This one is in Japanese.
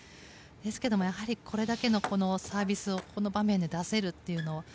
ですけれどもやはり、これだけのサービスをこの場面で出せるというのも。